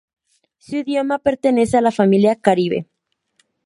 Su idioma pertenece a la familia caribe.